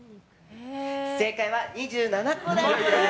正解は２７個です！